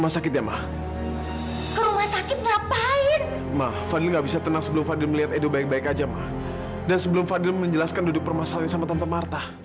sampai jumpa di video selanjutnya